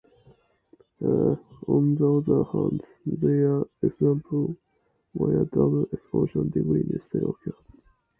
On the other hand, there are examples where a double exponential degree necessarily occurs.